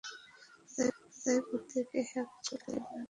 তাদের প্রত্যেকে হ্যাক করতে একটু সময় লাগবে।